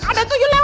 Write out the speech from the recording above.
ada tujuh lewat